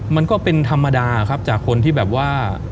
มันก็เป็นธรรมดาครับจากคนที่แบบว่า